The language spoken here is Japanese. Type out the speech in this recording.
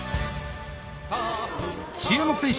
注目選手